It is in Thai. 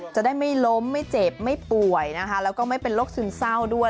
จะได้ไม่ล้มไม่เจ็บไม่ป่วยนะคะแล้วก็ไม่เป็นโรคซึมเศร้าด้วย